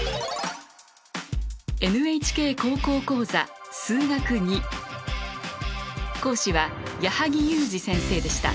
「ＮＨＫ高校講座数学Ⅱ」講師は矢作裕滋先生でした。